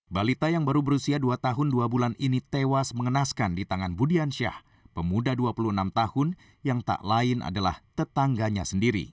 balita yang baru berusia dua tahun dua bulan ini tewas mengenaskan di tangan budiansyah pemuda dua puluh enam tahun yang tak lain adalah tetangganya sendiri